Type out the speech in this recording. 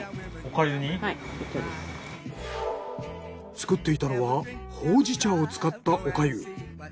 作っていたのはほうじ茶を使ったお粥。